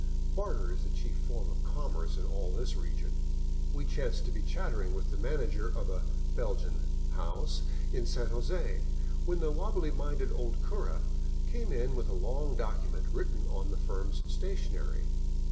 Barter is the chief form of commerce in all this region. We chanced to be chattering with the manager of a " Belgian " house in San Jose, when the wobbly minded old cura came in with a long document written on the firm's stationery.